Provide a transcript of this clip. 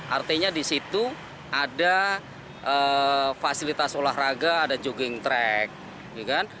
artinya di situ ada fasilitas olahraga ada jogging track